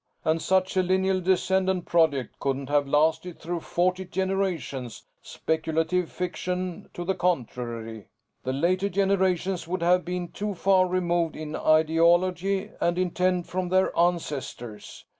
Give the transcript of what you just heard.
And such a lineal descendant project couldn't have lasted through forty generations, speculative fiction to the contrary the later generations would have been too far removed in ideology and intent from their ancestors.